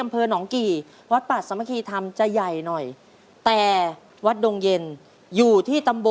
ผิดครับ